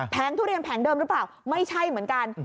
ทุเรียนแผงเดิมหรือเปล่าไม่ใช่เหมือนกัน